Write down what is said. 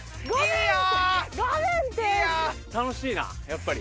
楽しいなやっぱり。